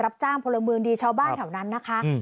รับจ้างพลเมืองดีชาวบ้านแถวนั้นนะคะ